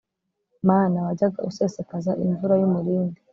mana, wajyaga usesekaza imvura y'umurindi